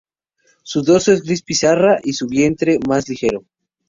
Su dorso es gris pizarra y su vientre más ligero.